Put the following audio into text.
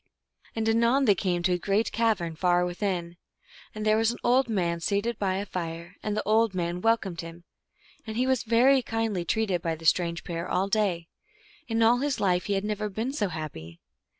And anon they came to a great cavern far within, and there was an old man seated by a fire, and the old man welcomed him. And he was very kindly treated by the strange pair all day : in all his life he had never been so happy.